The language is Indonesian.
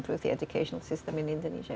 untuk mengubah sistem pendidikan di indonesia